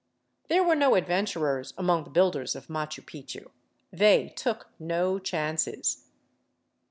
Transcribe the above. There were no adventurers among the builders of Machu Picchu. They took no chances.